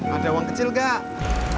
ada uang kecil nggak